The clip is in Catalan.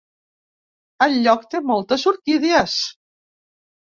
El lloc té moltes orquídies.